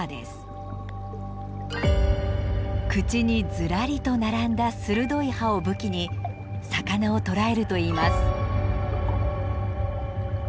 口にずらりと並んだ鋭い歯を武器に魚を捕らえるといいます。